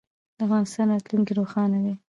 د افغانستان راتلونکی روښانه دی.